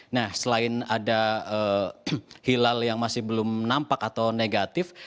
nah selain ada hilal yang masih belum nampak atau negatif